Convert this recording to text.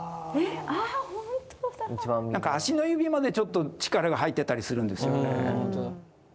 なんか足の指までちょっと力が入ってたりするんですよね。